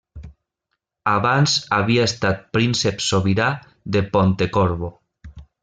Abans havia estat príncep sobirà de Pontecorvo.